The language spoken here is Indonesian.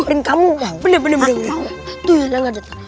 bukan bener bener itu yang dateng